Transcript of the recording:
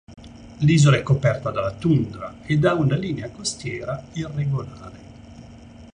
L'isola è coperta dalla tundra ed ha una linea costiera irregolare.